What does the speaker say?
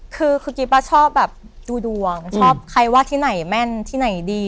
คือคือกิ๊บชอบแบบดูดวงชอบใครว่าที่ไหนแม่นที่ไหนดี